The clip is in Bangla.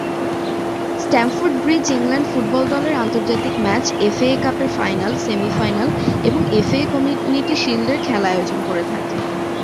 স্ট্যামফোর্ড ব্রিজ ইংল্যান্ড ফুটবল দলের আন্তর্জাতিক ম্যাচ, এফএ কাপের ফাইনাল, সেমিফাইনাল এবং এফএ কমিউনিটি শিল্ডের খেলা আয়োজন করে থাকে।